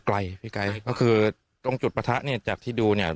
พี่ไกลก็คือตรงจุดประทะเนี่ยจากที่ดูเนี่ย